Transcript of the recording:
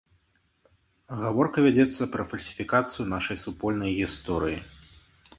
Гаворка вядзецца пра фальсіфікацыю нашай супольнай гісторыі.